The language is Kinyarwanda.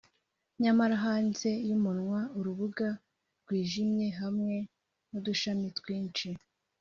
nyamara hanze yumunwa, urubuga rwijimye hamwe nudushami twinshi